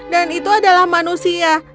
dan itu adalah manusia